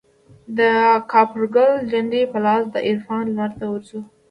دکاپرګل جنډې په لاس دعرفان لمرته ورځو